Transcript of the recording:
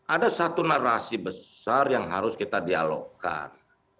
ada satu narasi besar yang harus kita dialogkan